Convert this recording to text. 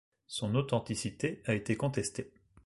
Son authenticité a été contestée.